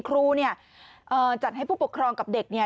ครูเนี่ยจัดให้ผู้ปกครองกับเด็กเนี่ย